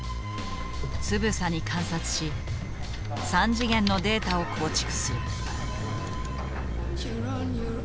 つぶさに観察し三次元のデータを構築する。